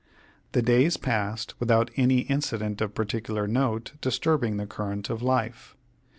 The days passed without any incident of particular note disturbing the current of life.